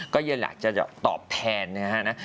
ก็ยังหลักจะตอบแทนนะคะนะ